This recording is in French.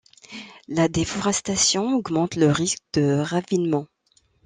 La déforestation augmente le risque de ravinement.